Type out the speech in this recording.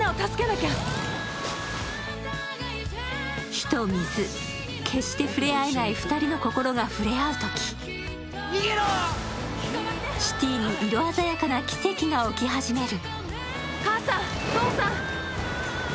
火と水、決して触れ合えない２人の心が触れ合うときシティに色鮮やかな奇跡が起き始める。